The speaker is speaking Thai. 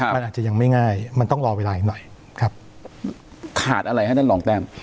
มันอาจจะยังไม่ง่ายมันต้องรอเวลาอีกหน่อยครับขาดอะไรให้ท่านรองแต้ม